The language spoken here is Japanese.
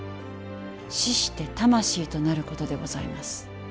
死して魂となることでございます。